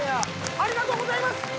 ありがとうございます！